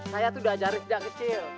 saya tuh udah jari sejak kecil